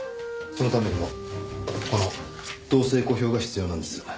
そのためにもこの動静小票が必要なんです。